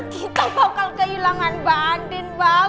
kita bakal kehilangan mbak andin mbak